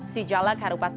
sijalak harupat pertama